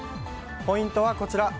ポイントはこちら。